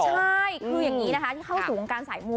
ใช่คืออย่างนี้นะคะที่เข้าสู่วงการสายมู